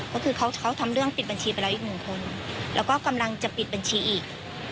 ก็คือเขาทำเรื่องปิดบัญชีไปแล้วอีกหนึ่งคนแล้วก็กำลังจะปิดบัญชีอีก